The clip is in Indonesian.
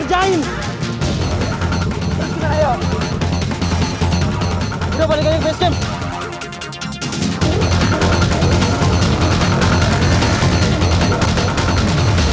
ayo balik aja ke base camp